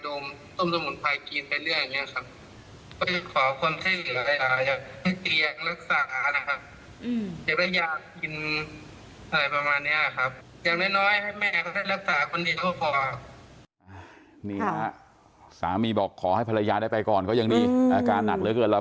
ดมต้มสมุนไพรกินไปเรื่อยอย่างนี้ครับ